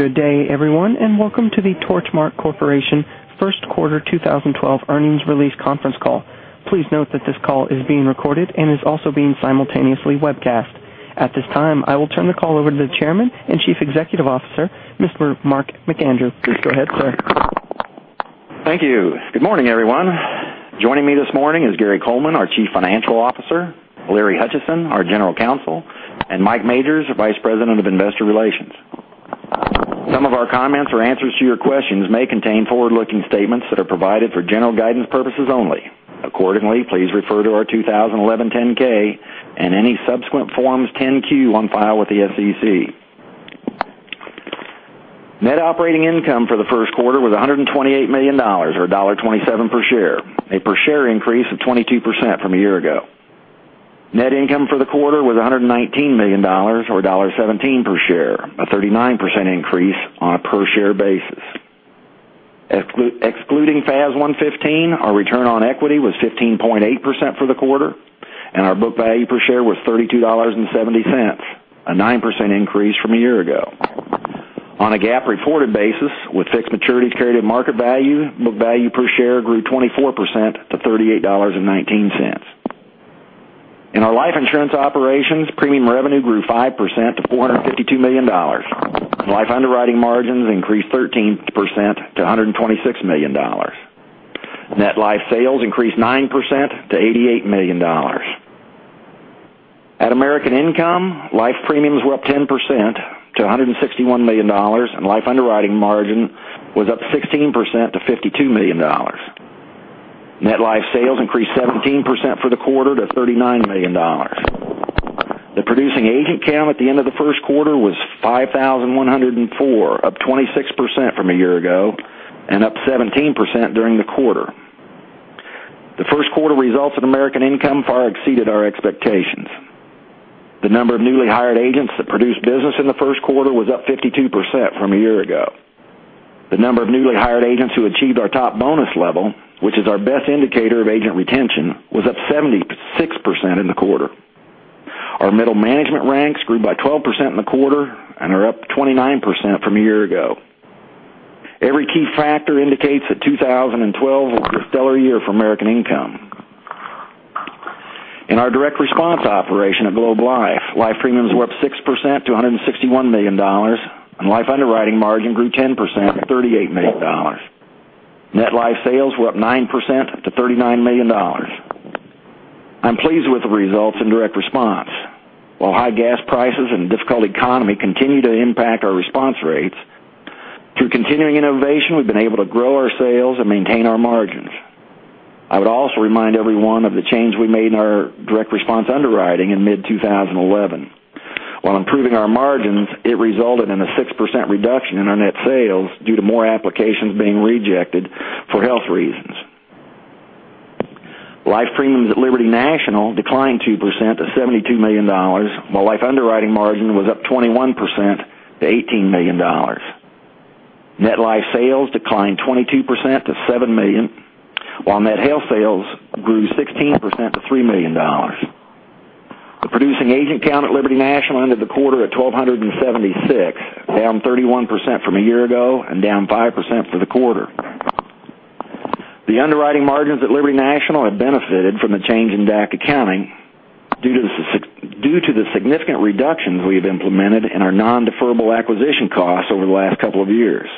Good day, everyone, and welcome to the Torchmark Corporation first quarter 2012 earnings release conference call. Please note that this call is being recorded and is also being simultaneously webcast. At this time, I will turn the call over to the Chairman and Chief Executive Officer, Mr. Mark McAndrew. Please go ahead, sir. Thank you. Good morning, everyone. Joining me this morning is Gary Coleman, our Chief Financial Officer, Larry Hutchison, our General Counsel, and Mike Majors, Vice President of Investor Relations. Some of our comments or answers to your questions may contain forward-looking statements that are provided for general guidance purposes only. Please refer to our 2011 10-K and any subsequent Forms 10-Q on file with the SEC. Net operating income for the first quarter was $128 million, or $1.27 per share, a per share increase of 22% from a year ago. Net income for the quarter was $119 million, or $1.17 per share, a 39% increase on a per share basis. Excluding FAS 115, our return on equity was 15.8% for the quarter, and our book value per share was $32.70, a 9% increase from a year ago. On a GAAP reported basis, with fixed maturities carried at market value, book value per share grew 24% to $38.19. In our life insurance operations, premium revenue grew 5% to $452 million. Life underwriting margins increased 13% to $126 million. Net life sales increased 9% to $88 million. At American Income, life premiums were up 10% to $161 million, and life underwriting margin was up 16% to $52 million. Net life sales increased 17% for the quarter to $39 million. The producing agent count at the end of the first quarter was 5,104, up 26% from a year ago and up 17% during the quarter. The first quarter results at American Income far exceeded our expectations. The number of newly hired agents that produced business in the first quarter was up 52% from a year ago. The number of newly hired agents who achieved our top bonus level, which is our best indicator of agent retention, was up 76% in the quarter. Our middle management ranks grew by 12% in the quarter and are up 29% from a year ago. Every key factor indicates that 2012 will be a stellar year for American Income. In our direct response operation at Globe Life, life premiums were up 6% to $161 million, and life underwriting margin grew 10% to $38 million. Net life sales were up 9% to $39 million. I'm pleased with the results in direct response. While high gas prices and difficult economy continue to impact our response rates, through continuing innovation, we've been able to grow our sales and maintain our margins. I would also remind everyone of the change we made in our direct response underwriting in mid-2011. While improving our margins, it resulted in a 6% reduction in our net sales due to more applications being rejected for health reasons. Life premiums at Liberty National declined 2% to $72 million, while life underwriting margin was up 21% to $18 million. Net life sales declined 22% to $7 million, while net health sales grew 16% to $3 million. The producing agent count at Liberty National ended the quarter at 1,276, down 31% from a year ago and down 5% for the quarter. The underwriting margins at Liberty National have benefited from the change in DAC accounting due to the significant reductions we've implemented in our non-deferrable acquisition costs over the last couple of years.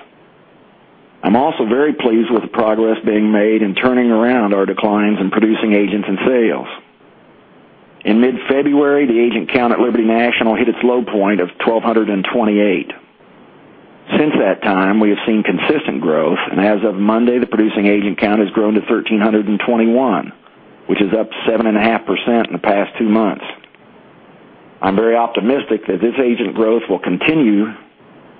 I'm also very pleased with the progress being made in turning around our declines in producing agents and sales. In mid-February, the agent count at Liberty National hit its low point of 1,228. Since that time, we have seen consistent growth, and as of Monday, the producing agent count has grown to 1,321, which is up 7.5% in the past two months. I'm very optimistic that this agent growth will continue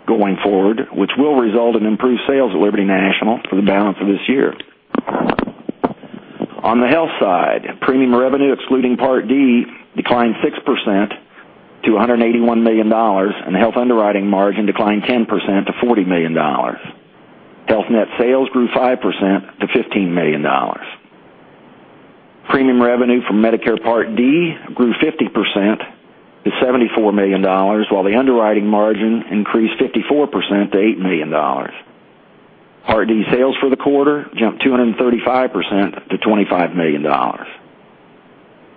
going forward, which will result in improved sales at Liberty National for the balance of this year. On the health side, premium revenue excluding Part D declined 6% to $181 million, and the health underwriting margin declined 10% to $40 million. Health net sales grew 5% to $15 million. Premium revenue from Medicare Part D grew 50% to $74 million, while the underwriting margin increased 54% to $8 million. Part D sales for the quarter jumped 235% to $25 million.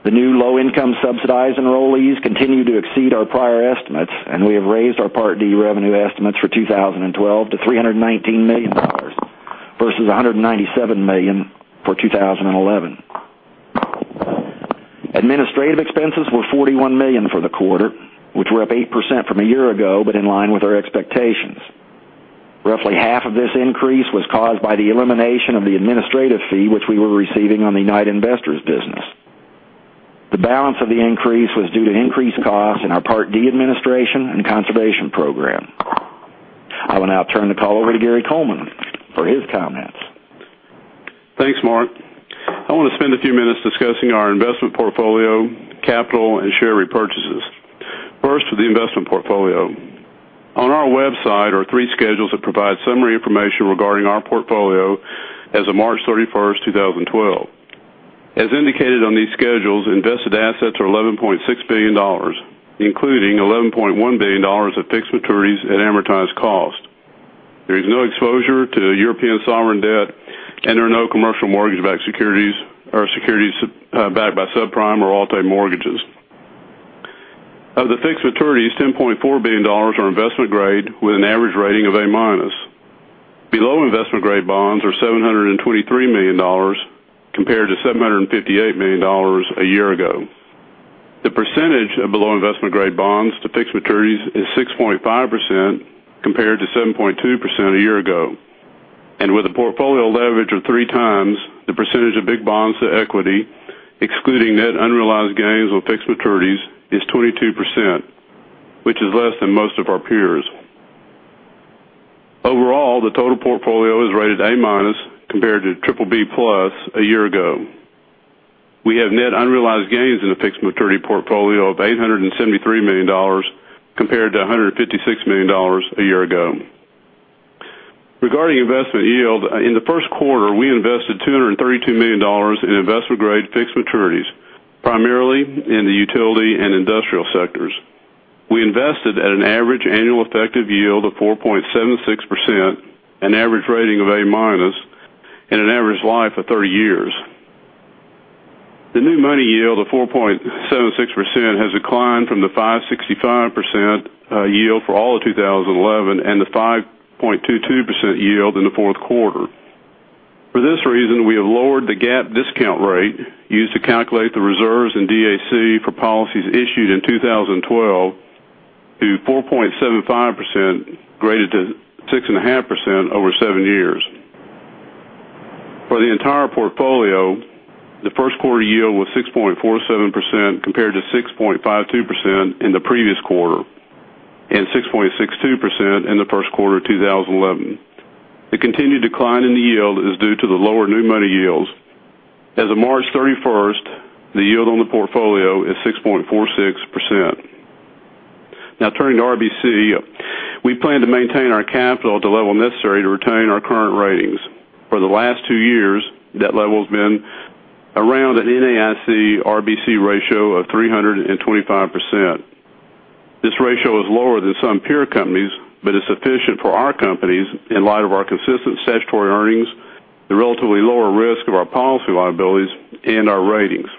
The new low-income subsidized enrollees continue to exceed our prior estimates, and we have raised our Part D revenue estimates for 2012 to $319 million versus $197 million for 2011. Administrative expenses were $41 million for the quarter, which were up 8% from a year ago, but in line with our expectations. Roughly half of this increase was caused by the elimination of the administrative fee, which we were receiving on the United Investors business. The balance of the increase was due to increased costs in our Part D administration and conservation program. I will now turn the call over to Gary Coleman for his comments. Thanks, Mark. I want to spend a few minutes discussing our investment portfolio, capital, and share repurchases. First, for the investment portfolio. On our website are three schedules that provide summary information regarding our portfolio as of March 31st, 2012. As indicated on these schedules, invested assets are $11.6 billion, including $11.1 billion of fixed maturities at amortized cost. There is no exposure to European sovereign debt, and there are no commercial mortgage-backed securities or securities backed by subprime or Alt-A mortgages. Of the fixed maturities, $10.4 billion are investment grade, with an average rating of A-minus. Below investment-grade bonds are $723 million, compared to $758 million a year ago. The percentage of below investment-grade bonds to fixed maturities is 6.5%, compared to 7.2% a year ago. With a portfolio leverage of 3 times, the percentage of big bonds to equity, excluding net unrealized gains on fixed maturities, is 22%, which is less than most of our peers. Overall, the total portfolio is rated A-minus compared to triple B-plus a year ago. We have net unrealized gains in the fixed maturity portfolio of $873 million compared to $156 million a year ago. Regarding investment yield, in the first quarter, we invested $232 million in investment-grade fixed maturities, primarily in the utility and industrial sectors. We invested at an average annual effective yield of 4.76%, an average rating of A-minus, and an average life of 30 years. The new money yield of 4.76% has declined from the 5.65% yield for all of 2011 and the 5.22% yield in the fourth quarter. For this reason, we have lowered the GAAP discount rate used to calculate the reserves in DAC for policies issued in 2012 to 4.75%, graded to 6.5% over seven years. For the entire portfolio, the first quarter yield was 6.47%, compared to 6.52% in the previous quarter and 6.62% in the first quarter of 2011. The continued decline in the yield is due to the lower new money yields. As of March 31st, the yield on the portfolio is 6.46%. Turning to RBC, we plan to maintain our capital at the level necessary to retain our current ratings. For the last two years, that level has been around an NAIC RBC ratio of 325%. This ratio is lower than some peer companies, but is sufficient for our companies in light of our consistent statutory earnings, the relatively lower risk of our policy liabilities, and our ratings.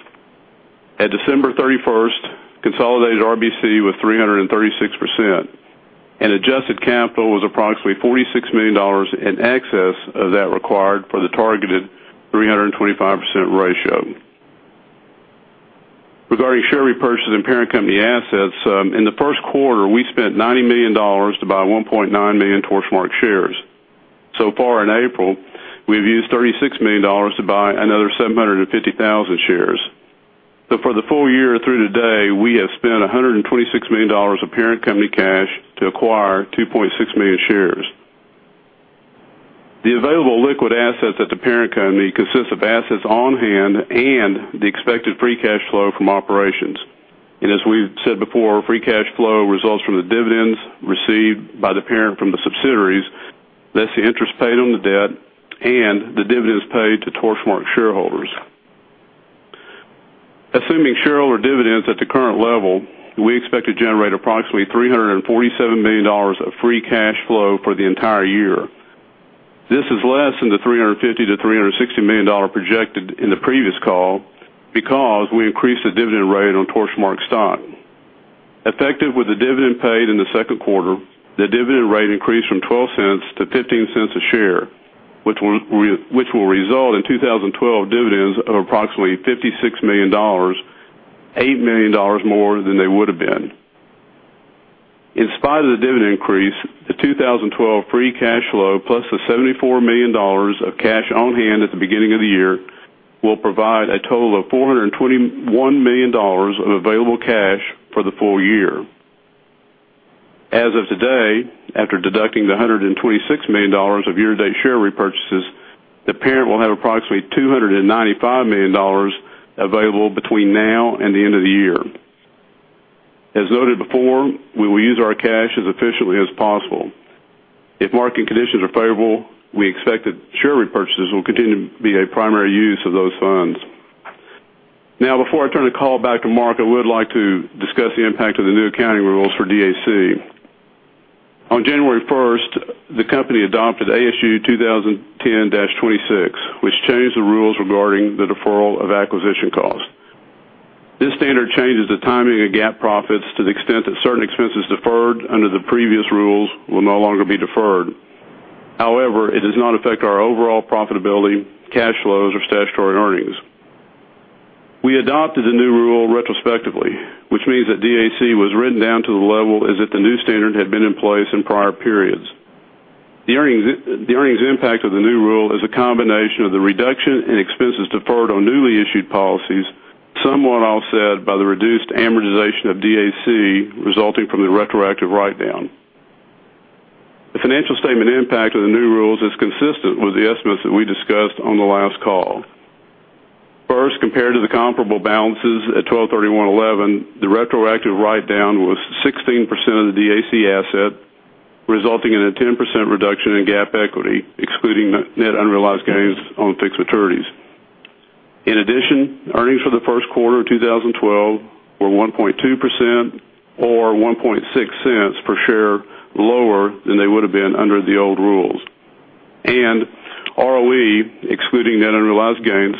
At December 31st, consolidated RBC was 336%, and adjusted capital was approximately $46 million in excess of that required for the targeted 325% ratio. Regarding share repurchase and parent company assets, in the first quarter, we spent $90 million to buy 1.9 million Torchmark shares. So far in April, we've used $36 million to buy another 750,000 shares. For the full year through today, we have spent $126 million of parent company cash to acquire 2.6 million shares. The available liquid assets at the parent company consists of assets on hand and the expected free cash flow from operations. As we've said before, free cash flow results from the dividends received by the parent from the subsidiaries, less the interest paid on the debt and the dividends paid to Torchmark shareholders. Assuming shareholder dividends at the current level, we expect to generate approximately $347 million of free cash flow for the entire year. This is less than the $350 million-$360 million projected in the previous call because we increased the dividend rate on Torchmark stock. Effective with the dividend paid in the second quarter, the dividend rate increased from $0.12 to $0.15 a share, which will result in 2012 dividends of approximately $56 million, $8 million more than they would have been. In spite of the dividend increase, the 2012 free cash flow plus the $74 million of cash on hand at the beginning of the year will provide a total of $421 million of available cash for the full year. As of today, after deducting the $126 million of year-to-date share repurchases, the parent will have approximately $295 million available between now and the end of the year. As noted before, we will use our cash as efficiently as possible. If market conditions are favorable, we expect that share repurchases will continue to be a primary use of those funds. Before I turn the call back to Mark, I would like to discuss the impact of the new accounting rules for DAC. On January 1st, the company adopted ASU 2010-26, which changed the rules regarding the deferral of acquisition costs. This standard changes the timing of GAAP profits to the extent that certain expenses deferred under the previous rules will no longer be deferred. It does not affect our overall profitability, cash flows, or statutory earnings. We adopted the new rule retrospectively, which means that DAC was written down to the level as if the new standard had been in place in prior periods. The earnings impact of the new rule is a combination of the reduction in expenses deferred on newly issued policies, somewhat offset by the reduced amortization of DAC resulting from the retroactive write-down. The financial statement impact of the new rules is consistent with the estimates that we discussed on the last call. First, compared to the comparable balances at 12/31/2011, the retroactive write-down was 16% of the DAC asset. Resulting in a 10% reduction in GAAP equity, excluding net unrealized gains on fixed maturities. Earnings for the first quarter of 2012 were 1.2% or $0.016 per share lower than they would have been under the old rules. ROE, excluding net unrealized gains,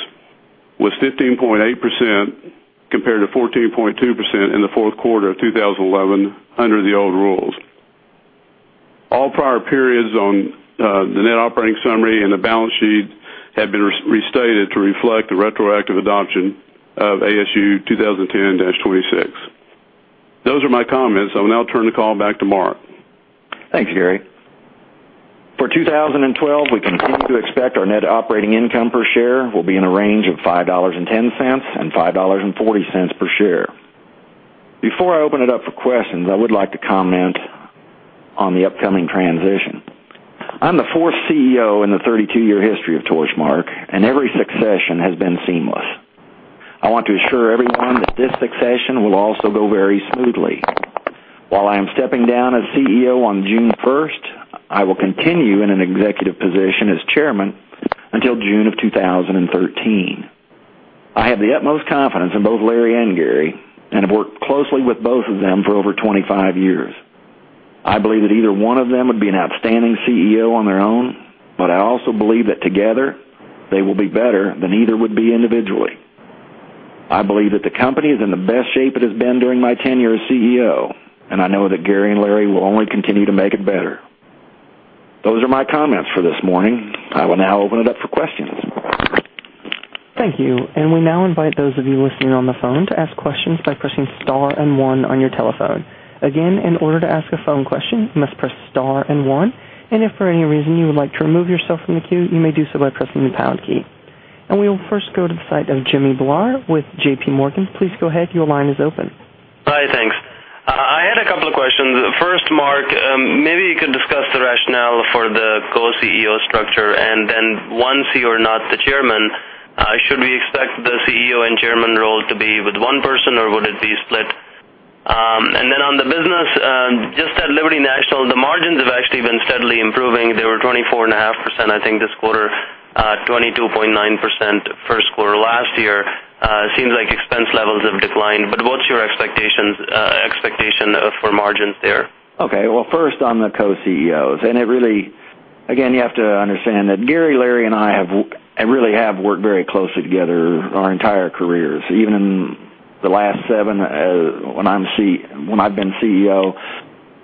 was 15.8% compared to 14.2% in the fourth quarter of 2011 under the old rules. All prior periods on the net operating summary and the balance sheet have been restated to reflect the retroactive adoption of ASU 2010-26. Those are my comments. I will now turn the call back to Mark. Thanks, Gary. For 2012, we continue to expect our net operating income per share will be in a range of $5.10-$5.40 per share. Before I open it up for questions, I would like to comment on the upcoming transition. I'm the fourth CEO in the 32-year history of Torchmark, and every succession has been seamless. I want to assure everyone that this succession will also go very smoothly. While I am stepping down as CEO on June 1st, I will continue in an executive position as chairman until June of 2013. I have the utmost confidence in both Larry and Gary and have worked closely with both of them for over 25 years. I believe that either one of them would be an outstanding CEO on their own, but I also believe that together they will be better than either would be individually. I believe that the company is in the best shape it has been during my tenure as CEO, and I know that Gary and Larry will only continue to make it better. Those are my comments for this morning. I will now open it up for questions. Thank you. We now invite those of you listening on the phone to ask questions by pressing star and one on your telephone. Again, in order to ask a phone question, you must press star and one. If for any reason you would like to remove yourself from the queue, you may do so by pressing the pound key. We will first go to the site of Jimmy Bhullar with JPMorgan. Please go ahead, your line is open. Hi, thanks. I had a couple of questions. First, Mark, maybe you could discuss the rationale for the co-CEO structure. Once you're not the Chairman, should we expect the CEO and Chairman role to be with one person, or would it be split? On the business, just at Liberty National, the margins have actually been steadily improving. They were 24.5% I think this quarter, 22.9% first quarter last year. Seems like expense levels have declined. What's your expectation for margins there? Well, first on the co-CEOs. Again, you have to understand that Gary, Larry, and I really have worked very closely together our entire careers, even the last seven when I've been CEO.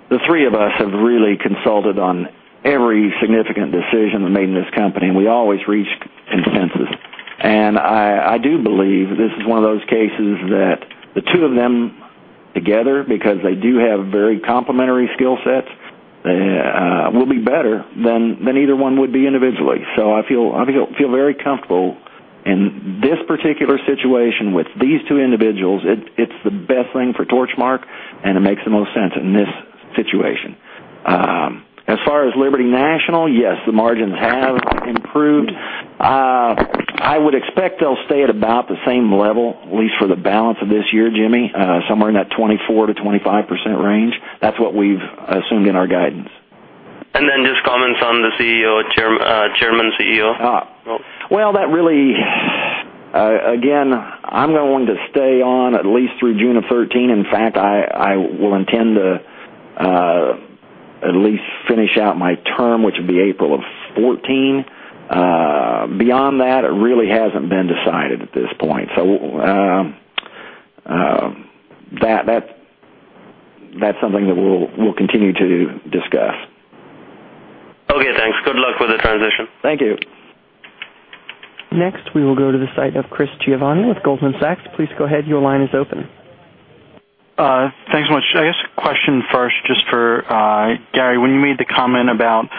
The three of us have really consulted on every significant decision made in this company, and we always reached consensus. I do believe this is one of those cases that the two of them together, because they do have very complementary skill sets, will be better than either one would be individually. I feel very comfortable in this particular situation with these two individuals. It's the best thing for Torchmark, and it makes the most sense in this situation. As far as Liberty National, yes, the margins have improved. I would expect they'll stay at about the same level, at least for the balance of this year, Jimmy, somewhere in that 24%-25% range. That's what we've assumed in our guidance. Then just comments on the Chairman, CEO role. Well, again, I'm going to want to stay on at least through June of 2013. In fact, I will intend to at least finish out my term, which would be April of 2014. Beyond that, it really hasn't been decided at this point. That's something that we'll continue to discuss. Okay, thanks. Good luck with the transition. Thank you. Next, we will go to the site of Chris Giovanni with Goldman Sachs. Please go ahead. Your line is open. Thanks so much. I guess a question first just for Gary. When you made the comment about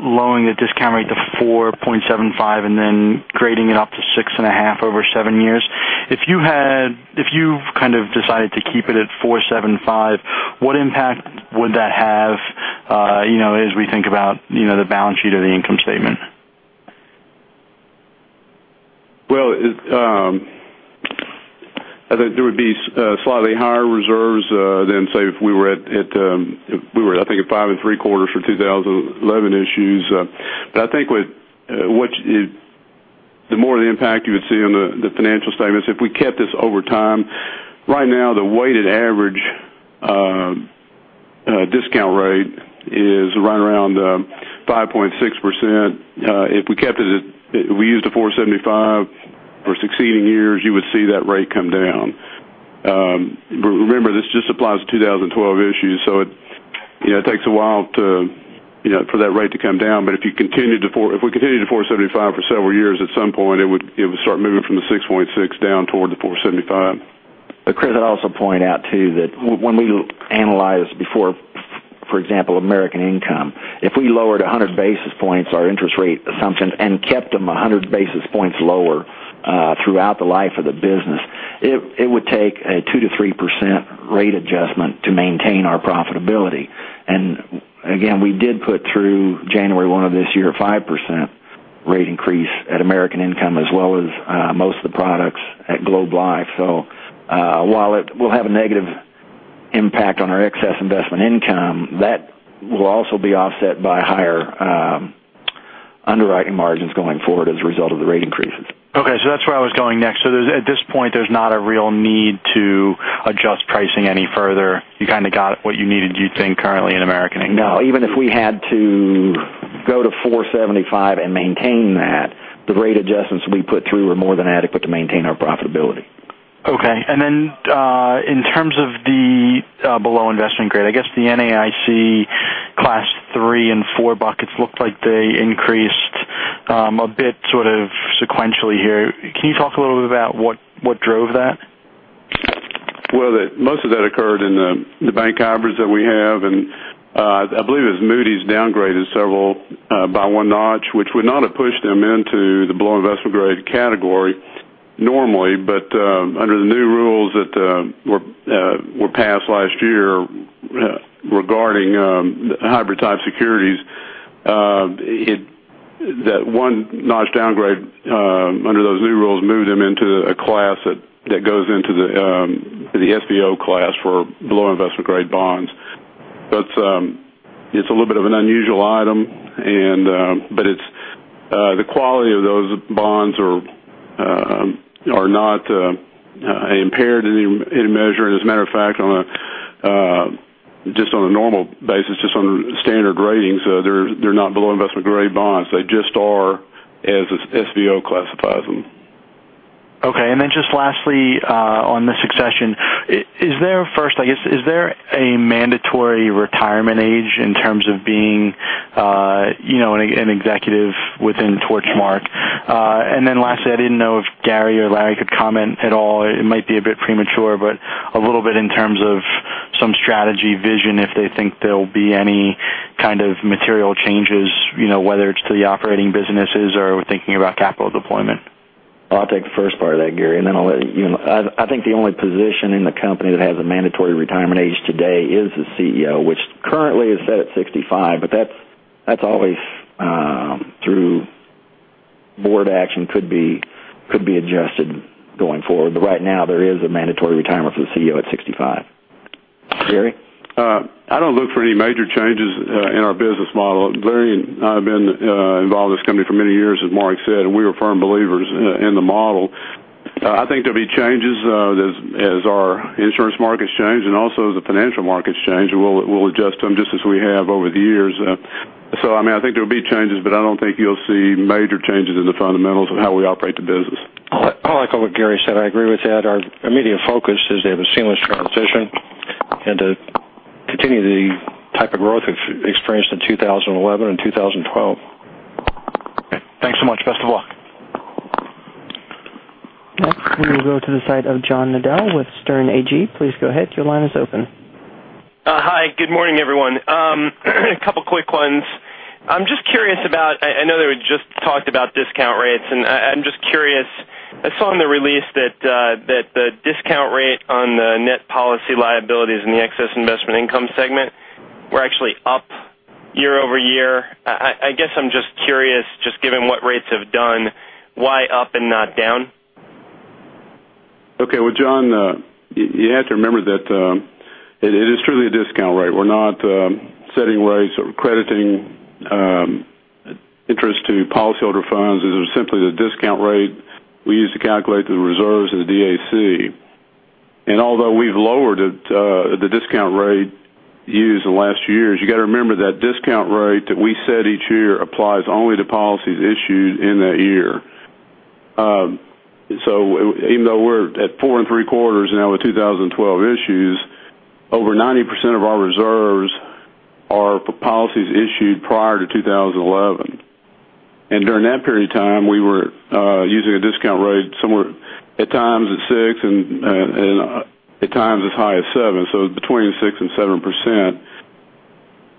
lowering the discount rate to 4.75 and then grading it up to 6.5 over seven years, if you've kind of decided to keep it at 4.75, what impact would that have as we think about the balance sheet or the income statement? Well, I think there would be slightly higher reserves than, say, if we were at, I think, at 5.75 for 2011 issues. I think the more the impact you would see on the financial statements if we kept this over time. Right now, the weighted average discount rate is right around 5.6%. If we used the 4.75 for succeeding years, you would see that rate come down. Remember, this just applies to 2012 issues, so it takes a while for that rate to come down. If we continue the 4.75 for several years, at some point, it would start moving from the 6.6 down toward the 4.75. Chris, I'd also point out, too, that when we analyzed before, for example, American Income, if we lowered 100 basis points our interest rate assumptions and kept them 100 basis points lower throughout the life of the business, it would take a 2%-3% rate adjustment to maintain our profitability. Again, we did put through January 1 of this year 5% rate increase at American Income as well as most of the products at Globe Life. While it will have a negative impact on our excess investment income, that will also be offset by higher underwriting margins going forward as a result of the rate increases. Okay. That's where I was going next. At this point, there's not a real need to adjust pricing any further. You kind of got what you needed, you think currently in American Income? No, even if we had to go to 475 and maintain that, the rate adjustments we put through were more than adequate to maintain our profitability. Okay. Then, in terms of the below investment grade, I guess the NAIC Class III and IV buckets looked like they increased a bit sort of sequentially here. Can you talk a little bit about what drove that? Well, most of that occurred in the bank hybrids that we have, I believe it's Moody's downgraded several by one notch, which would not have pushed them into the below investment grade category normally. Under the new rules that were passed last year regarding hybrid-type securities, that one notch downgrade under those new rules moved them into a class that goes into the SVO class for below investment grade bonds. It's a little bit of an unusual item, but the quality of those bonds are not impaired in measure. As a matter of fact, just on a normal basis, just on standard ratings, they're not below investment grade bonds. They just are as SVO classifies them. Okay, just lastly on the succession, first, I guess, is there a mandatory retirement age in terms of being an executive within Torchmark? Lastly, I didn't know if Gary or Larry could comment at all. It might be a bit premature, but a little bit in terms of some strategy vision, if they think there'll be any kind of material changes, whether it's to the operating businesses or thinking about capital deployment. I'll take the first part of that, Gary, I'll let you in. I think the only position in the company that has a mandatory retirement age today is the CEO, which currently is set at 65, that's always through board action, could be adjusted going forward. Right now, there is a mandatory retirement for the CEO at 65. Gary? I don't look for any major changes in our business model. Larry and I have been involved with this company for many years, as Mark said, we are firm believers in the model. I think there'll be changes as our insurance markets change also as the financial markets change, we'll adjust them just as we have over the years. I think there'll be changes, I don't think you'll see major changes in the fundamentals of how we operate the business. I'll echo what Gary said. I agree with that. Our immediate focus is to have a seamless transition and to continue the type of growth we've experienced in 2011 and 2012. Okay. Thanks so much. Best of luck. Next, we will go to the line of John Nadel with Sterne Agee. Please go ahead. Your line is open. Hi, good morning, everyone. A couple quick ones. I'm just curious about, I know that we just talked about discount rates, and I'm just curious. I saw in the release that the discount rate on the net policy liabilities in the excess investment income segment were actually up year-over-year. I guess I'm just curious, just given what rates have done, why up and not down? Well, John, you have to remember that it is truly a discount rate. We're not setting rates or crediting interest to policyholder funds. These are simply the discount rate we use to calculate the reserves of the DAC. Although we've lowered the discount rate used in the last years, you got to remember that discount rate that we set each year applies only to policies issued in that year. Even though we're at 4.75% now with 2012 issues, over 90% of our reserves are for policies issued prior to 2011. During that period of time, we were using a discount rate somewhere at times at 6% and at times as high as 7%, so between 6% and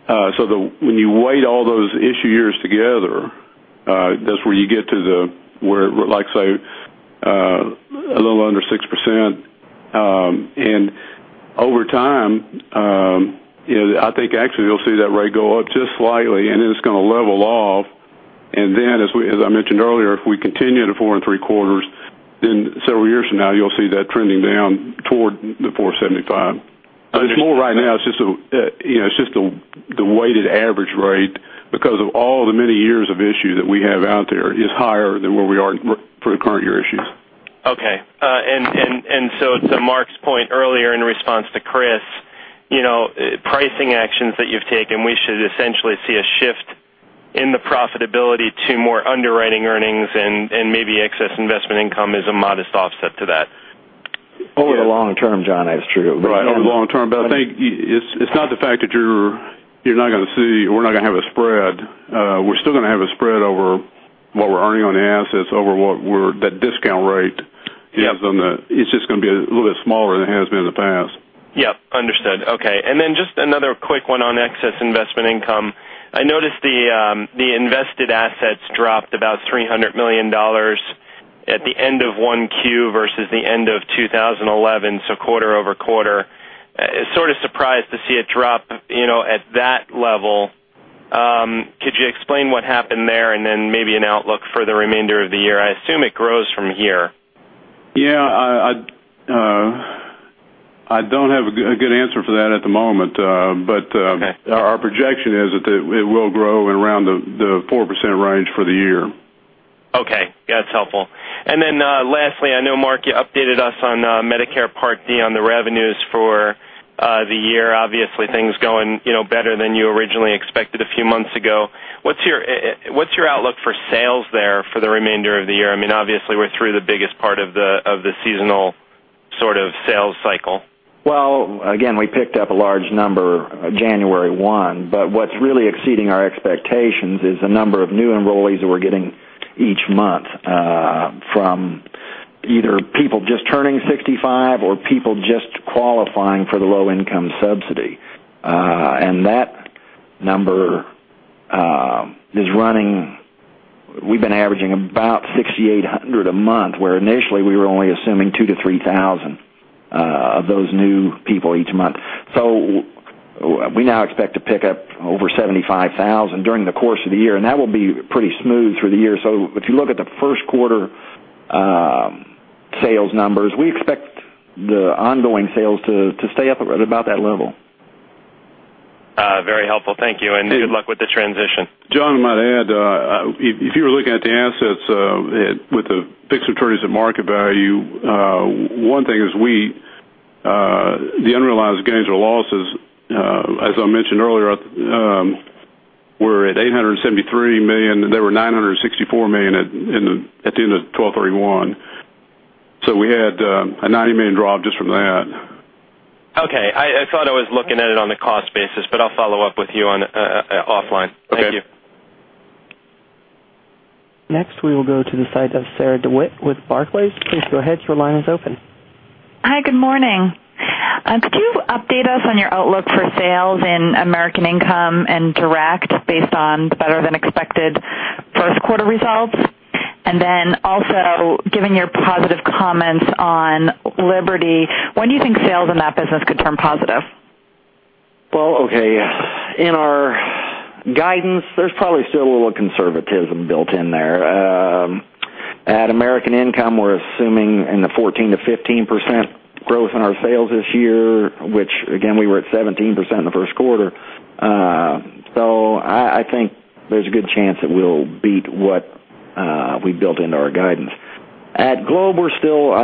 7%. When you weight all those issue years together, that's where you get to the, where like I say, a little under 6%. Over time, I think actually you'll see that rate go up just slightly, and then it's going to level off. As I mentioned earlier, if we continue the 4.75%, several years from now, you'll see that trending down toward the 4.75%. It's more right now, it's just the weighted average rate because of all the many years of issue that we have out there is higher than where we are for the current year issues. To Mark's point earlier in response to Chris, pricing actions that you've taken, we should essentially see a shift in the profitability to more underwriting earnings and maybe excess investment income is a modest offset to that. Over the long term, John, that is true. Right. Over the long term, I think it's not the fact that we're not going to have a spread. We're still going to have a spread over what we're earning on the assets over what that discount rate is. Yep. It's just going to be a little bit smaller than it has been in the past. Yep, understood. Okay. Then just another quick one on excess investment income. I noticed the invested assets dropped about $300 million at the end of 1Q versus the end of 2011, so quarter-over-quarter. Sort of surprised to see it drop at that level. Could you explain what happened there and then maybe an outlook for the remainder of the year? I assume it grows from here. Yeah. I don't have a good answer for that at the moment. Okay. Our projection is that it will grow in around the 4% range for the year. Okay. Yeah, that's helpful. Lastly, I know, Mark, you updated us on Medicare Part D on the revenues for the year. Obviously, things going better than you originally expected a few months ago. What's your outlook for sales there for the remainder of the year? Obviously, we're through the biggest part of the seasonal sort of sales cycle. Well, again, we picked up a large number January 1, but what's really exceeding our expectations is the number of new enrollees that we're getting each month, from either people just turning 65 or people just qualifying for the low-income subsidy. That number is running, we've been averaging about 6,800 a month, where initially we were only assuming 2,000 to 3,000 of those new people each month. We now expect to pick up over 75,000 during the course of the year, and that will be pretty smooth through the year. If you look at the first quarter sales numbers, we expect the ongoing sales to stay up at about that level. Very helpful. Thank you, and good luck with the transition. John, might I add, if you were looking at the assets with the fixed maturities at market value, one thing is the unrealized gains or losses, as I mentioned earlier, were at $873 million. They were $964 million at the end of 12/31. We had a $90 million drop just from that. Okay. I thought I was looking at it on the cost basis, I'll follow up with you offline. Okay. Thank you. Next, we will go to the site of Sarah DeWitt with Barclays. Please go ahead. Your line is open. Hi, good morning. Could you update us on your outlook for sales in American Income and Direct based on the better-than-expected first quarter results? Then also, given your positive comments on Liberty, when do you think sales in that business could turn positive? Well, okay. In our guidance, there's probably still a little conservatism built in there. At American Income, we're assuming in the 14%-15% growth in our sales this year, which again, we were at 17% in the first quarter. I think there's a good chance that we'll beat what we've built into our guidance. At Globe, I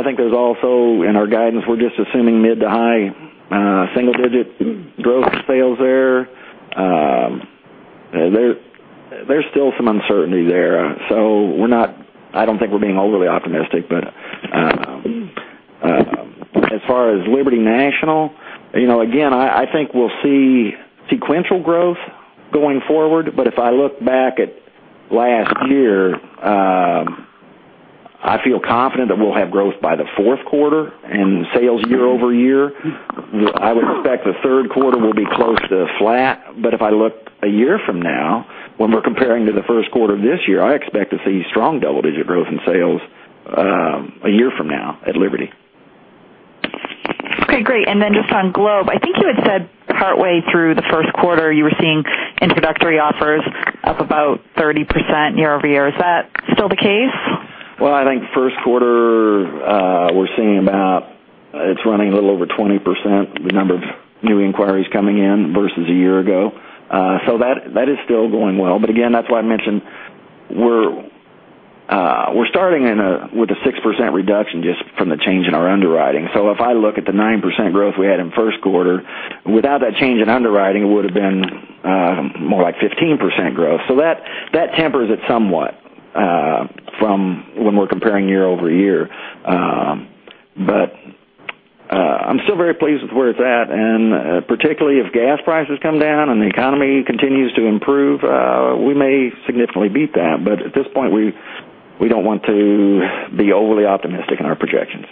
think there's also, in our guidance, we're just assuming mid to high single-digit growth in sales there. There's still some uncertainty there. I don't think we're being overly optimistic. As far as Liberty National, again, I think we'll see sequential growth going forward. If I look back at last year, I feel confident that we'll have growth by the fourth quarter and sales year-over-year. I would expect the third quarter will be close to flat. If I looked a year from now, when we're comparing to the first quarter of this year, I expect to see strong double-digit growth in sales a year from now at Liberty. Okay, great. Then just on Globe, I think you had said partway through the first quarter, you were seeing introductory offers up about 30% year-over-year. Is that still the case? I think first quarter, we're seeing it's running a little over 20%, the number of new inquiries coming in versus a year ago. That is still going well. Again, that's why I mentioned we're starting with a 6% reduction just from the change in our underwriting. If I look at the 9% growth we had in first quarter, without that change in underwriting, it would've been more like 15% growth. That tempers it somewhat from when we're comparing year-over-year. I'm still very pleased with where it's at, and particularly if gas prices come down and the economy continues to improve, we may significantly beat that. At this point, we don't want to be overly optimistic in our projections.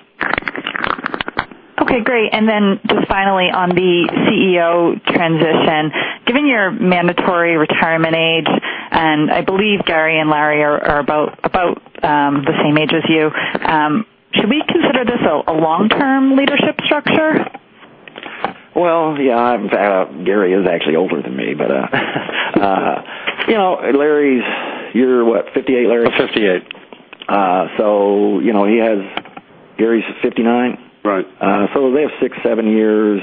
Okay, great. Just finally on the CEO transition. Given your mandatory retirement age, I believe Gary and Larry are about the same age as you, should we consider this a long-term leadership structure? Yeah. Gary is actually older than me, Larry's, you're what, 58, Larry? I'm 58. He has, Gary's 59? Right. They have six, seven years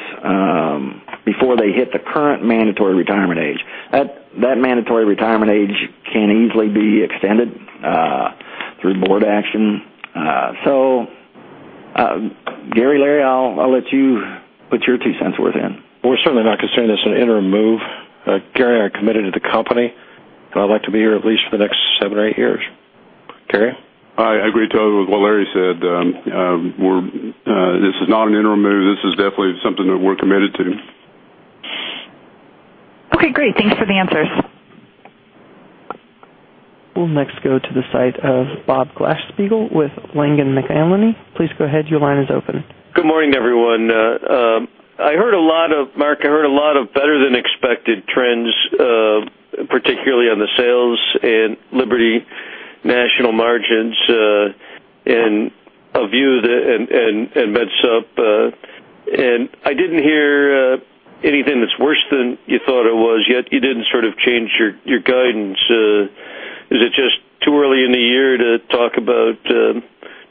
before they hit the current mandatory retirement age. That mandatory retirement age can easily be extended through board action. Gary, Larry, I'll let you put your two cents worth in. We're certainly not considering this an interim move. Gary and I are committed to the company, and I'd like to be here at least for the next seven or eight years. Gary? I agree totally with what Larry said. This is not an interim move. This is definitely something that we're committed to. Okay, great. Thanks for the answers. We'll next go to the site of Bob Glasspiegel with Langen McAlenney. Please go ahead. Your line is open. Good morning, everyone. Mark, I heard a lot National margins and a view that, and MedSup. I didn't hear anything that's worse than you thought it was, yet you didn't change your guidance. Is it just too early in the year to talk about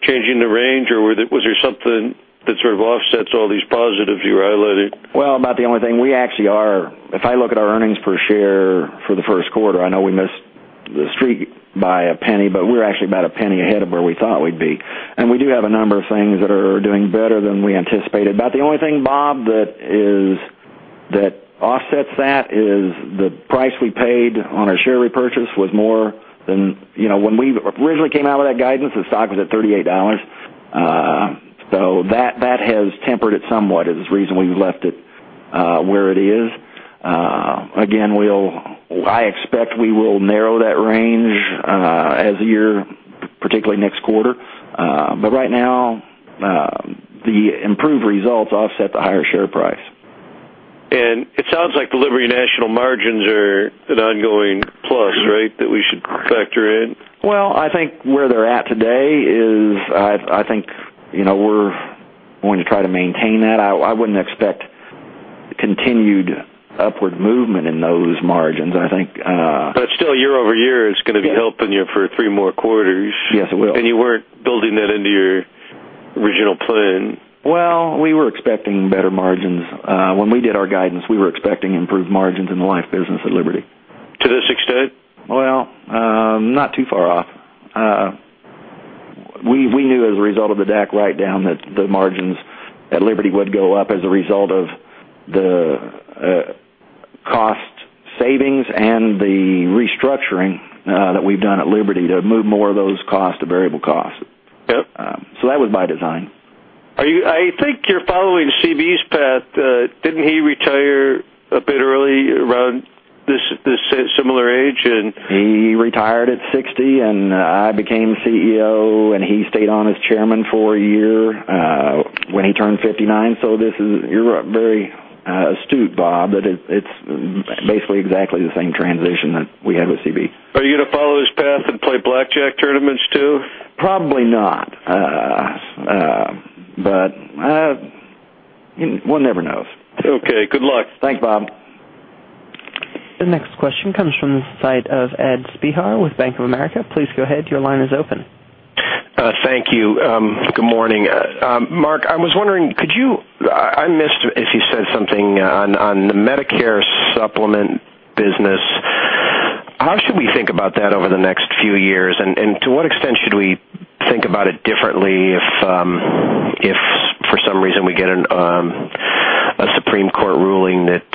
changing the range? Was there something that offsets all these positives you highlighted? Well, about the only thing we actually are, if I look at our earnings per share for the first quarter, I know we missed the street by a penny, but we're actually about a penny ahead of where we thought we'd be. We do have a number of things that are doing better than we anticipated. About the only thing, Bob, that offsets that is the price we paid on our share repurchase was more than when we originally came out with that guidance, the stock was at $38. That has tempered it somewhat, is the reason we've left it where it is. Again, I expect we will narrow that range as the year, particularly next quarter. But right now, the improved results offset the higher share price. It sounds like the Liberty National margins are an ongoing plus, right? That we should factor in. Well, I think where they're at today is, I think, we're going to try to maintain that. I wouldn't expect continued upward movement in those margins. Still year-over-year is going to be helping you for three more quarters. Yes, it will. You weren't building that into your original plan. Well, we were expecting better margins. When we did our guidance, we were expecting improved margins in the life business at Liberty. To this extent? Well, not too far off. We knew as a result of the DAC write-down that the margins at Liberty would go up as a result of the cost savings and the restructuring that we've done at Liberty to move more of those costs to variable costs. Yep. that was by design. I think you're following CB's path. Didn't he retire a bit early around this similar age? He retired at 60, and I became CEO, and he stayed on as Chairman for one year, when he turned 59. You're very astute, Bob, that it's basically exactly the same transition that we had with CB. Are you going to follow his path and play blackjack tournaments, too? Probably not. One never knows. Okay. Good luck. Thanks, Bob. The next question comes from the site of Ed Spehar with Bank of America. Please go ahead. Your line is open. Thank you. Good morning. Mark, I was wondering, I missed if you said something on the Medicare Supplement business. How should we think about that over the next few years, and to what extent should we think about it differently if for some reason we get a Supreme Court ruling that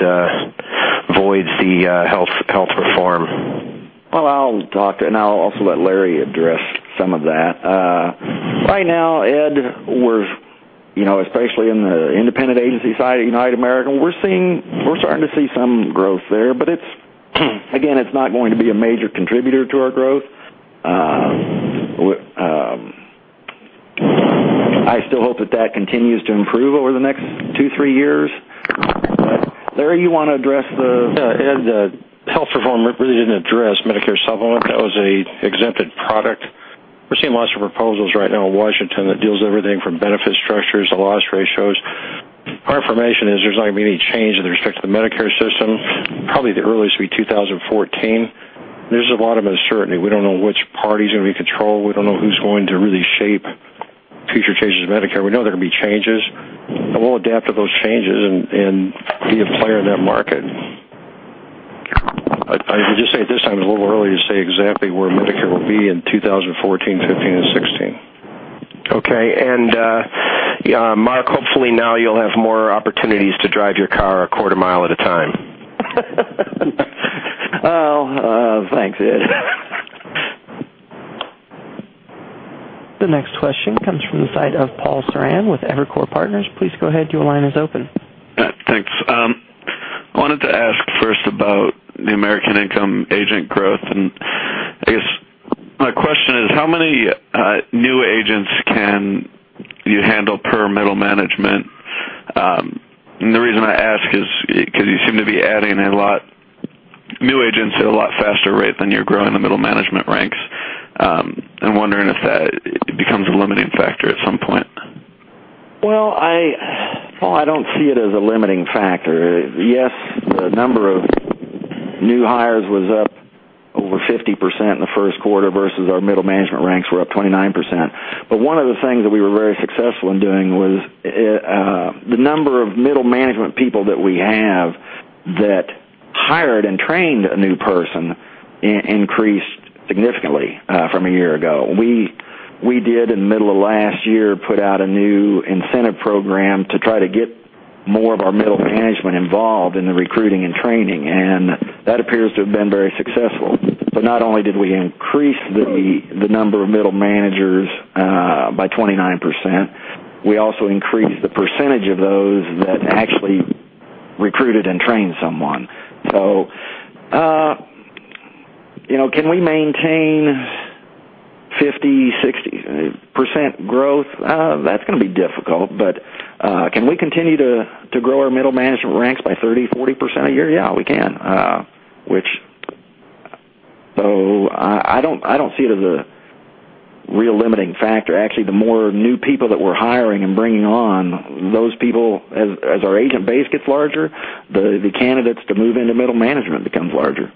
voids the health reform? I'll talk to, I'll also let Larry address some of that. Right now, Ed, especially in the independent agency side at United American, we're starting to see some growth there, but again, it's not going to be a major contributor to our growth. I still hope that that continues to improve over the next two, three years. Larry, you want to address? Yeah, Ed, the health reform really didn't address Medicare Supplement. That was an exempted product. We're seeing lots of proposals right now in Washington that deals everything from benefit structures to loss ratios. Our information is there's not going to be any change with respect to the Medicare system, probably the earliest be 2014. There's a lot of uncertainty. We don't know which party's going to be in control. We don't know who's going to really shape future changes to Medicare. We know there are going to be changes, and we'll adapt to those changes and be a player in that market. I would just say at this time it's a little early to say exactly where Medicare will be in 2014, 2015, and 2016. Okay. Mark, hopefully now you'll have more opportunities to drive your car a quarter mile at a time. Oh, thanks, Ed. The next question comes from the site of Paul Sarran with Evercore Partners. Please go ahead. Your line is open. Thanks. I wanted to ask first about the American Income agent growth. I guess my question is, how many new agents can you handle per middle management? The reason I ask is because you seem to be adding new agents at a lot faster rate than you're growing the middle management ranks. I'm wondering if that becomes a limiting factor at some point. Well, I don't see it as a limiting factor. Yes, the number of new hires was up over 50% in the first quarter versus our middle management ranks were up 29%. One of the things that we were very successful in doing was the number of middle management people that we have that hired and trained a new person increased significantly from a year ago. We did, in the middle of last year, put out a new incentive program to try to get more of our middle management involved in the recruiting and training, and that appears to have been very successful. Not only did we increase the number of middle managers by 29%, we also increased the percentage of those that actually recruited and trained someone. Can we maintain 50%, 60% growth? That's going to be difficult. Can we continue to grow our middle management ranks by 30%, 40% a year? Yeah, we can. I don't see it as a real limiting factor. Actually, the more new people that we're hiring and bringing on, those people, as our agent base gets larger, the candidates to move into middle management becomes larger. Okay.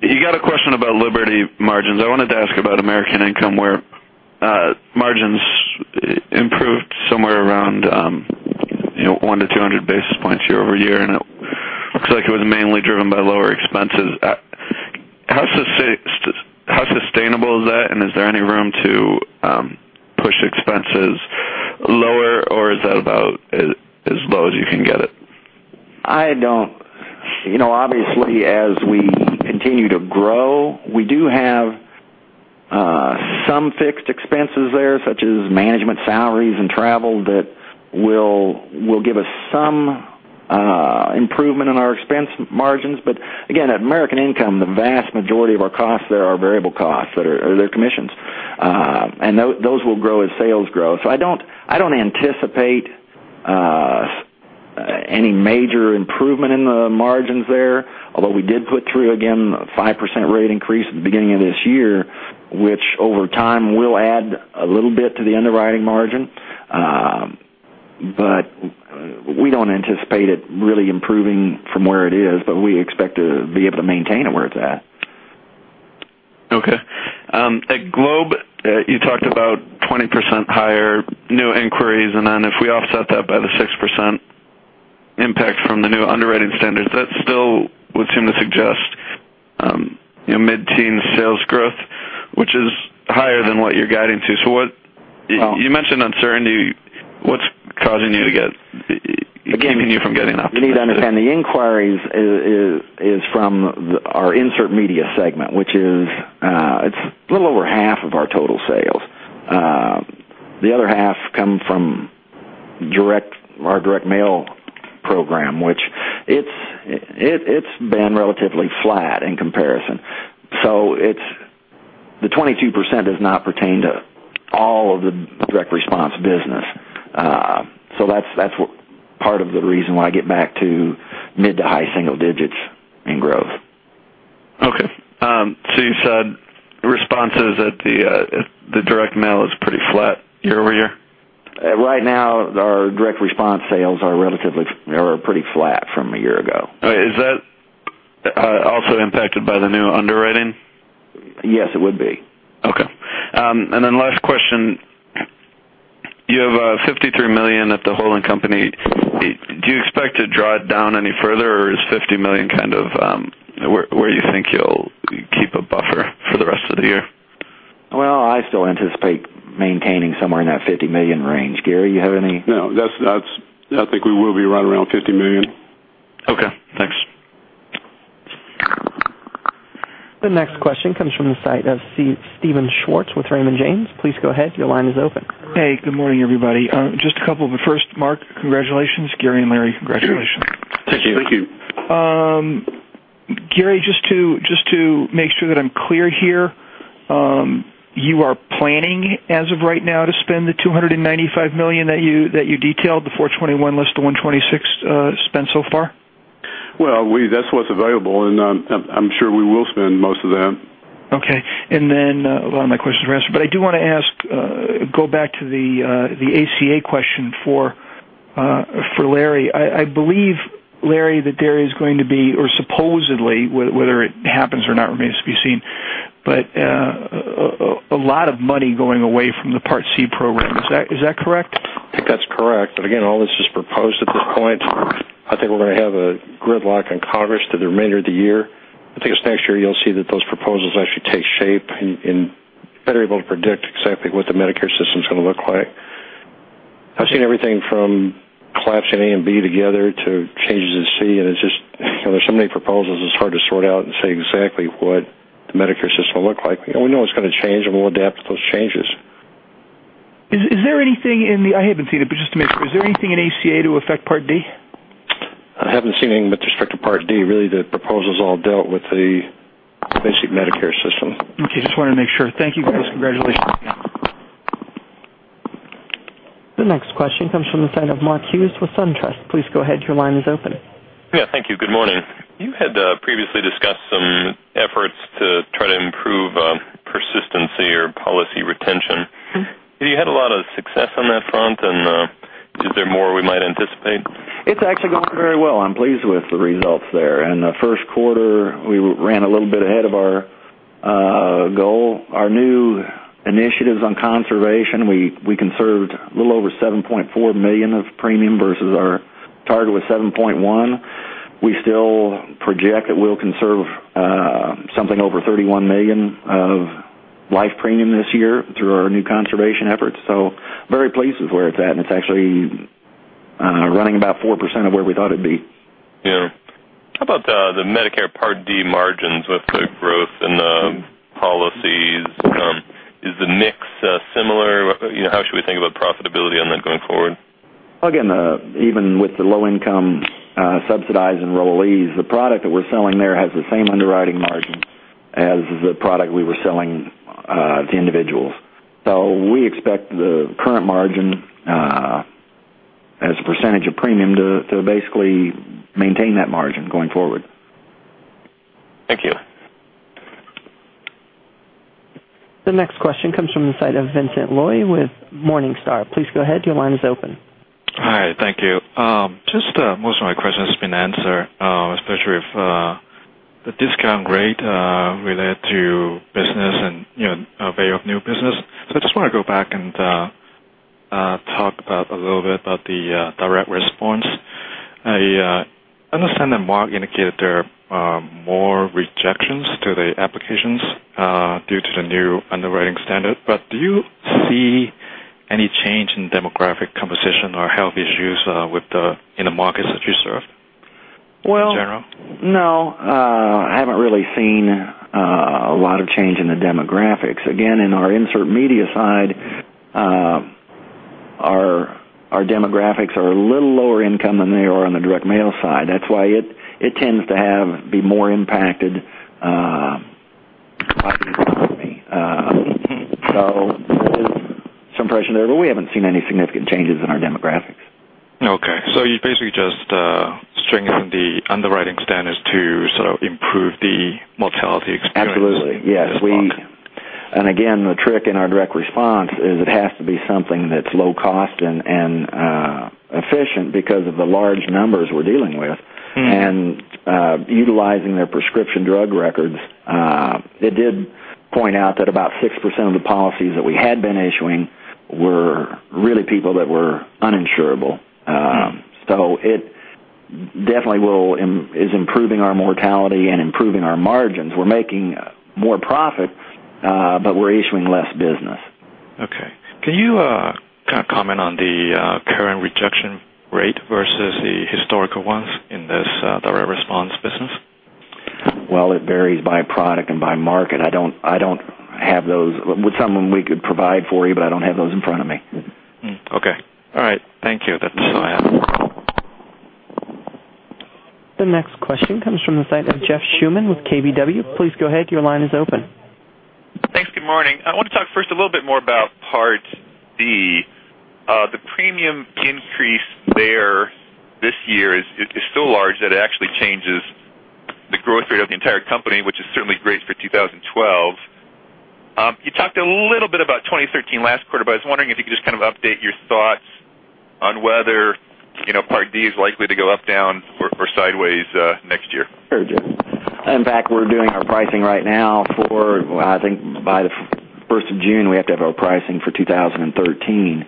You got a question about Liberty margins. I wanted to ask about American Income, where margins improved somewhere around 1-200 basis points year-over-year. It looks like it was mainly driven by lower expenses. How sustainable is that? Is there any room to push expenses lower, or is that about as low as you can get it? Obviously, as we continue to grow, we do have some fixed expenses there, such as management salaries and travel, that will give us some improvement in our expense margins. Again, at American Income, the vast majority of our costs there are variable costs that are their commissions. Those will grow as sales grow. I don't anticipate any major improvement in the margins there, although we did put through, again, a 5% rate increase at the beginning of this year, which over time will add a little bit to the underwriting margin. We don't anticipate it really improving from where it is, but we expect to be able to maintain it where it's at. Okay. At Globe, you talked about 20% higher new inquiries. Then if we offset that by the 6% impact from the new underwriting standards, that still would seem to suggest mid-teen sales growth, which is higher than what you're guiding to. You mentioned uncertainty. What's keeping you from getting up? You need to understand the inquiries is from our insert media segment, which is a little over half of our total sales. The other half come from our direct mail program, which it's been relatively flat in comparison. The 22% does not pertain to all of the direct response business. That's part of the reason why I get back to mid to high single digits in growth. Okay. You said responses at the direct mail is pretty flat year-over-year? Right now, our direct response sales are pretty flat from a year ago. Is that also impacted by the new underwriting? Yes, it would be. Okay. Last question. You have $53 million at the holding company. Do you expect to draw it down any further, or is $50 million kind of where you think you'll keep a buffer for the rest of the year? Well, I still anticipate maintaining somewhere in that $50 million range. Gary, you have any? No. I think we will be right around $50 million. Okay, thanks. The next question comes from the site of Steven Schwartz with Raymond James. Please go ahead. Your line is open. Hey, good morning, everybody. Just a couple, but first, Mark, congratulations. Gary and Larry, congratulations. Thank you. Thank you. Gary, just to make sure that I'm clear here, you are planning, as of right now, to spend the $295 million that you detailed, the $421 less the $126 spent so far? That's what's available, and I'm sure we will spend most of that. My question is answered. I do want to go back to the ACA question for Larry. I believe, Larry, that there is going to be, or supposedly, whether it happens or not remains to be seen, a lot of money going away from the Part C program. Is that correct? I think that's correct. Again, all this is proposed at this point. I think we're going to have a gridlock in Congress through the remainder of the year. I think it's next year you'll see that those proposals actually take shape and better able to predict exactly what the Medicare system's going to look like. I've seen everything from collapsing A and B together to changes in C, and there's so many proposals, it's hard to sort out and say exactly what the Medicare system will look like. We know it's going to change, and we'll adapt to those changes. I haven't seen it, but just to make sure, is there anything in ACA to affect Part D? I haven't seen anything with respect to Part D. Really, the proposals all dealt with the basic Medicare system. Okay, just wanted to make sure. Thank you, guys. Congratulations again. The next question comes from the side of Mark Hughes with SunTrust. Please go ahead. Your line is open. Yeah, thank you. Good morning. You had previously discussed some efforts to try to improve persistency or policy retention. Have you had a lot of success on that front, and is there more we might anticipate? It's actually going very well. I'm pleased with the results there. In the first quarter, we ran a little bit ahead of our goal. Our new initiatives on conservation, we conserved a little over $7.4 million of premium versus our target with $7.1 million. We still project that we'll conserve something over $31 million of life premium this year through our new conservation efforts. Very pleased with where it's at, and it's actually running about 4% of where we thought it'd be. Yeah. How about the Medicare Part D margins with the growth in the policies? Is the mix similar? How should we think about profitability on that group? Even with the low-income subsidized enrollees, the product that we're selling there has the same underwriting margin as the product we were selling to individuals. We expect the current margin as a percentage of premium to basically maintain that margin going forward. Thank you. The next question comes from the side of Vincent Lui with Morningstar. Please go ahead. Your line is open. Hi. Thank you. Most of my questions have been answered, especially with the discount rate related to business and the value of new business. I just want to go back and talk a little bit about the direct response. I understand that Mark indicated there are more rejections to the applications due to the new underwriting standard. Do you see any change in demographic composition or health issues in the markets that you serve in general? Well, no. I haven't really seen a lot of change in the demographics. Again, in our insert media side, our demographics are a little lower income than they are on the direct mail side. That's why it tends to be more impacted by the economy. There is some pressure there, but we haven't seen any significant changes in our demographics. Okay. You basically just strengthen the underwriting standards to sort of improve the mortality experience- Absolutely. Yes. -in this block. Again, the trick in our direct response is it has to be something that's low cost and efficient because of the large numbers we're dealing with. Utilizing their prescription drug records, it did point out that about 6% of the policies that we had been issuing were really people that were uninsurable. It definitely is improving our mortality and improving our margins. We're making more profit, but we're issuing less business. Okay. Can you kind of comment on the current rejection rate versus the historical ones in this direct response business? Well, it varies by product and by market. I don't have those. With some of them, we could provide for you, but I don't have those in front of me. Okay. All right. Thank you. That's all I have. The next question comes from the side of Jeff Schuman with KBW. Please go ahead. Your line is open. Thanks. Good morning. I want to talk first a little bit more about Part D. The premium increase there this year is so large that it actually changes the growth rate of the entire company, which is certainly great for 2012. You talked a little bit about 2013 last quarter, but I was wondering if you could just kind of update your thoughts on whether Part D is likely to go up, down, or sideways next year. Sure, Jeff. In fact, we're doing our pricing right now for, I think by the 1st of June, we have to have our pricing for 2013.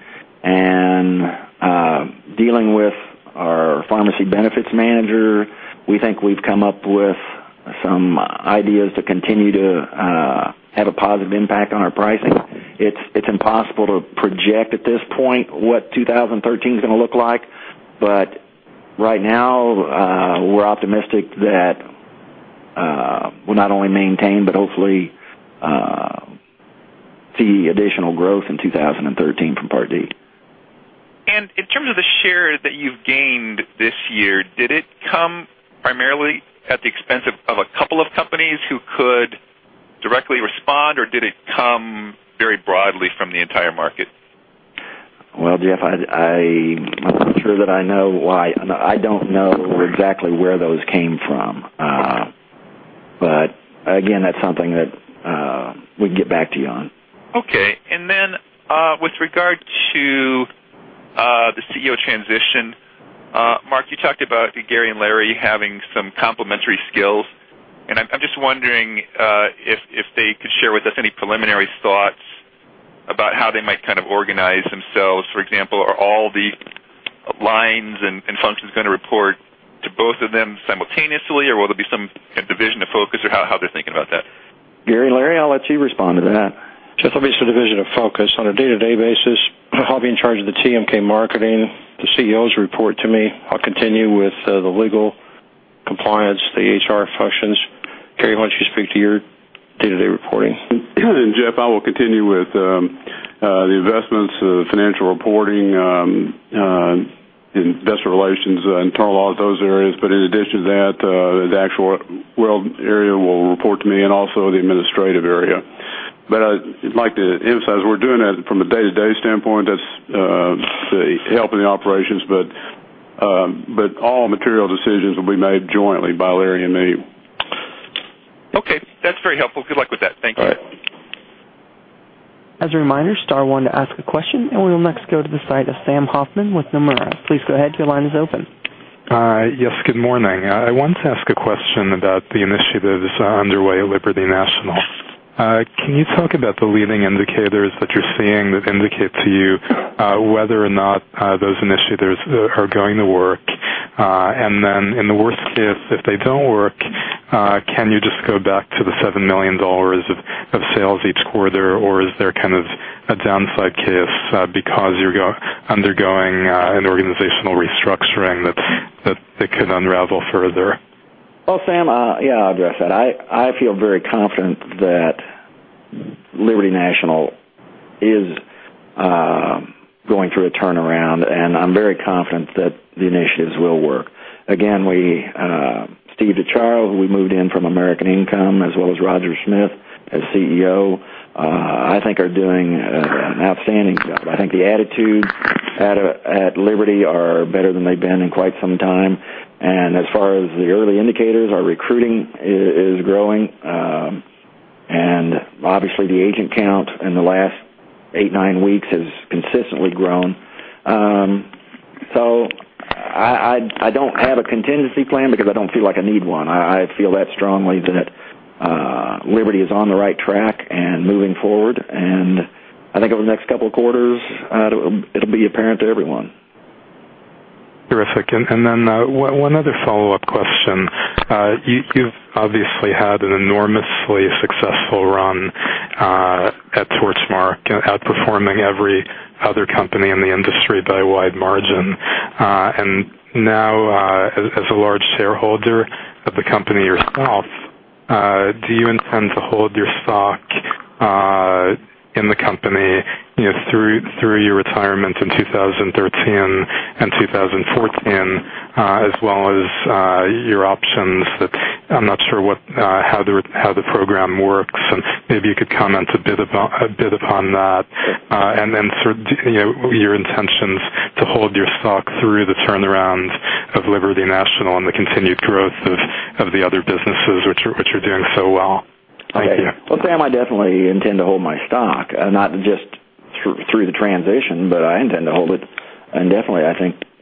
Dealing with our pharmacy benefits manager, we think we've come up with some ideas to continue to have a positive impact on our pricing. It's impossible to project at this point what 2013 is going to look like. Right now, we're optimistic that we'll not only maintain, but hopefully see additional growth in 2013 from Part D. In terms of the share that you've gained this year, did it come primarily at the expense of a couple of companies who could directly respond, or did it come very broadly from the entire market? Well, Jeff, I'm not sure that I know why. I don't know exactly where those came from. Again, that's something that we can get back to you on. Okay. Then, with regard to the CEO transition, Mark, you talked about Gary and Larry having some complementary skills. I'm just wondering if they could share with us any preliminary thoughts about how they might kind of organize themselves. For example, are all the lines and functions going to report to both of them simultaneously, will there be some division of focus or how they're thinking about that? Gary, Larry, I'll let you respond to that. Jeff, there'll be some division of focus. On a day-to-day basis, I'll be in charge of the TMK marketing. The CEOs report to me. I'll continue with the legal compliance, the HR functions. Gary, why don't you speak to your day-to-day reporting? Jeff, I will continue with the investments, the financial reporting, investor relations, internal audit, those areas. In addition to that, the actuarial area will report to me and also the administrative area. I'd like to emphasize, we're doing that from a day-to-day standpoint. That's the help in the operations, but all material decisions will be made jointly by Larry and me. Okay. That's very helpful. Good luck with that. Thank you. All right. As a reminder, star one to ask a question. We will next go to the side of Sam Hoffman with Nomura. Please go ahead. Your line is open. Yes, good morning. I want to ask a question about the initiatives underway at Liberty National. Can you talk about the leading indicators that you're seeing that indicate to you whether or not those initiatives are going to work? Then in the worst case, if they don't work, can you just go back to the $7 million of sales each quarter, or is there kind of a downside case because you're undergoing an organizational restructuring that can unravel further? Well, Sam, yeah, I'll address that. I feel very confident that Liberty National is going through a turnaround. I'm very confident that the initiatives will work. Again, Steve DiChiaro, who we moved in from American Income, as well as Roger Smith as CEO, I think are doing an outstanding job. I think the attitudes at Liberty are better than they've been in quite some time. As far as the early indicators, our recruiting is growing. Obviously, the agent count in the last eight, nine weeks has consistently grown. I don't have a contingency plan because I don't feel like I need one. I feel that strongly that Liberty is on the right track and moving forward, and I think over the next couple of quarters, it'll be apparent to everyone. Terrific. Then one other follow-up question. You've obviously had an enormously successful run at Torchmark, outperforming every other company in the industry by a wide margin. Now, as a large shareholder of the company yourself, do you intend to hold your stock in the company through your retirement in 2013 and 2014, as well as your options that I'm not sure how the program works, and maybe you could comment a bit upon that, and then your intentions to hold your stock through the turnaround of Liberty National and the continued growth of the other businesses which are doing so well. Thank you. Well, Sam, I definitely intend to hold my stock, not just through the transition, I intend to hold it indefinitely.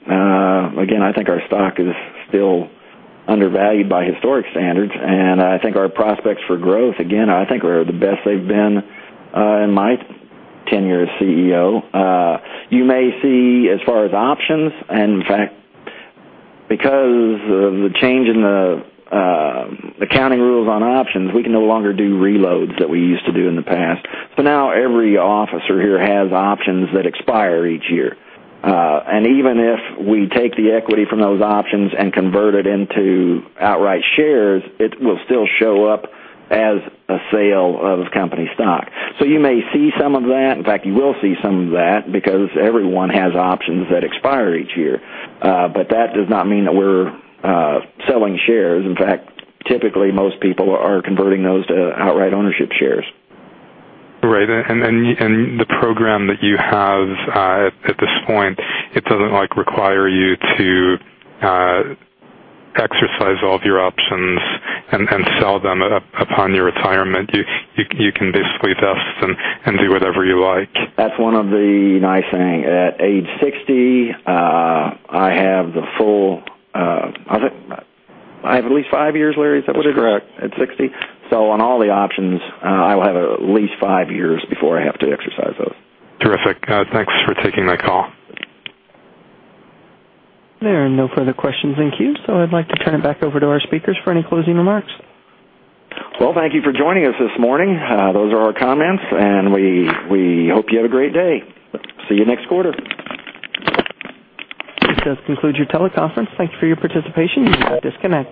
Again, I think our stock is still undervalued by historic standards, I think our prospects for growth, again, I think are the best they've been in my tenure as CEO. You may see as far as options, in fact, because of the change in the accounting rules on options, we can no longer do reloads that we used to do in the past. Now every officer here has options that expire each year. Even if we take the equity from those options and convert it into outright shares, it will still show up as a sale of company stock. You may see some of that. In fact, you will see some of that because everyone has options that expire each year. That does not mean that we're selling shares. In fact, typically, most people are converting those to outright ownership shares. Right. The program that you have at this point, it doesn't require you to exercise all of your options and sell them upon your retirement. You can basically vest them and do whatever you like. That's one of the nice things. At age 60, I have the full at least five years, Larry, is that what it is? Correct. At 60. On all the options, I will have at least five years before I have to exercise those. Terrific. Thanks for taking my call. There are no further questions in queue, I'd like to turn it back over to our speakers for any closing remarks. Thank you for joining us this morning. Those are our comments, and we hope you have a great day. See you next quarter. This does conclude your teleconference. Thank you for your participation. You may disconnect.